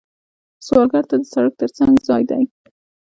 سوالګر ته د سړک تر څنګ ځای دی